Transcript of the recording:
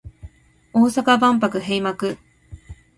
大阪万博閉幕